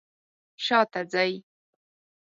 شاته ځئ